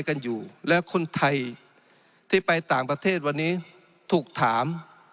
กันอยู่แล้วคนไทยที่ไปต่างประเทศวันนี้ถูกถาม